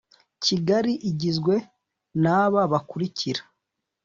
Kigali igizwe n’aba bakurikira